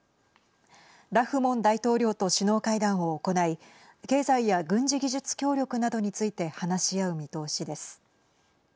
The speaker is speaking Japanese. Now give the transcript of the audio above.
ラフモン大統領と首脳会談を行い経済や軍事技術協力などについて話し合う見通しです。